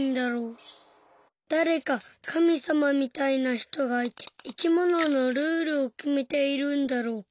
だれかかみさまみたいなひとがいていきもののルールをきめているんだろうか。